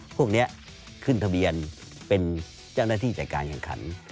พวกนี้ขึ้นทะเบียนเป็นเจ้าหน้าที่จัดการแข่งขัน